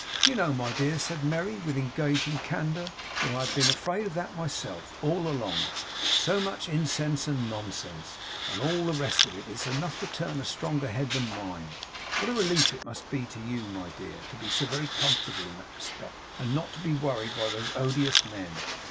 'Do you know, my dear,' said Merry, with engaging candour, 'that I have been afraid of that, myself, all along! So much incense and nonsense, and all the rest of it, is enough to turn a stronger head than mine. What a relief it must be to you, my dear, to be so very comfortable in that respect, and not to be worried by those odious men!